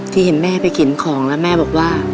เห็นแม่ไปเข็นของแล้วแม่บอกว่า